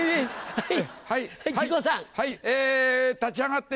はい！